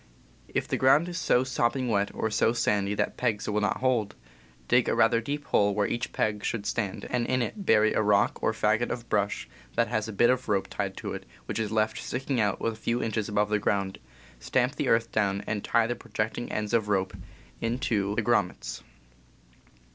If the ground is so sopping wet, or so sandy, that pegs will not hold, dig a rather deep hole where each peg should stand, and in it bury a rock or a fagot of brush that has a bit of rope tied to it which is left sticking out a few inches above the ground; stamp the earth down, and tie the projecting ends of rope into the 74 CAMPING AND WOODCRAFT grommets.